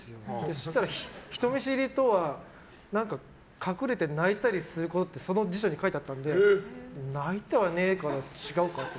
そしたら人見知りとは隠れて泣いたりすることってその辞書に書いてあったので泣いてはねえから違うかって。